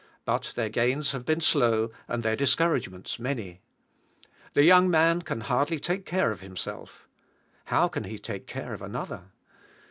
But their gains have been slow, and their discouragements many. The young man can hardly take care of himself. How can he take care of another?